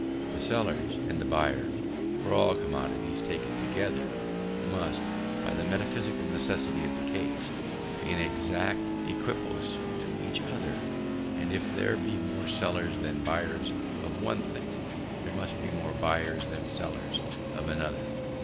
The sellers and the buyers, for all commodities taken together, must, by the metaphysical necessity of the case, be an exact equipoise to each other; and if there be more sellers than buyers of one thing, there must be more buyers than sellers for another.